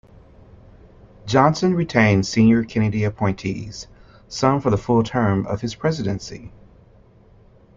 Johnson retained senior Kennedy appointees, some for the full term of his presidency.